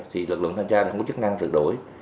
thì lực lượng thanh tra thì không có chức năng trượt đuổi